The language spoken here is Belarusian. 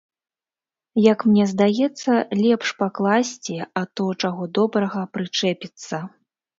Як мне здаецца, лепш пакласці, а то, чаго добрага, прычэпіцца.